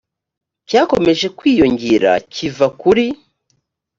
cyakomeje kwiyongera kiva kuri